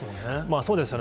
そうですよね。